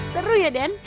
seru ya den